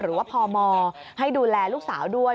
หรือว่าพมให้ดูแลลูกสาวด้วย